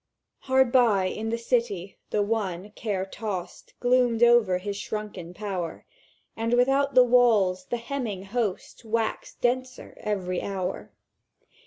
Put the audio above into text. "Hard by, in the City, the One, care tossed, Gloomed over his shrunken power; And without the walls the hemming host Waxed denser every hour.